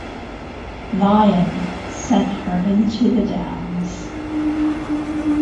"Lion" sent her into the Downs.